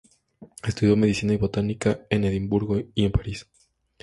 Estudió Medicina y Botánica en Edimburgo y en París.